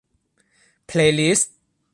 เพลย์ลิสต์